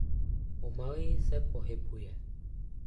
Pomaleji se pohybuje.